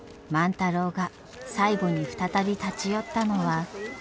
太郎が最後に再び立ち寄ったのは。